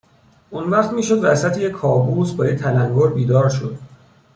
اونوقت میشد وسط یه کابوس با یه تلنگر بیدار شد